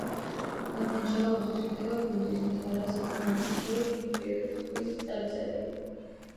ნანჯაო ასოცირდება ბუდიზმთან, რასაც ამტკიცებენ იმ პერიოდის ქვის წარწერები.